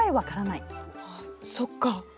あそっか。